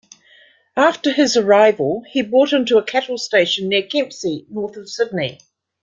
After his arrival, he bought into a cattle station near Kempsey, north of Sydney.